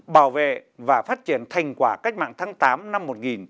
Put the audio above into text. bảo vệ và phát triển thành quả cách mạng tháng tám năm một nghìn chín trăm bốn mươi năm